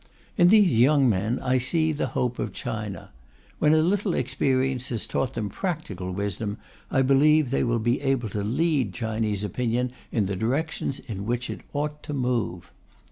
In these young men I see the hope of China. When a little experience has taught them practical wisdom, I believe they will be able to lead Chinese opinion in the directions in which it ought to move.